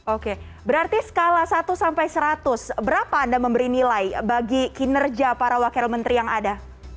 oke berarti skala satu sampai seratus berapa anda memberi nilai bagi kinerja para wakil menteri yang ada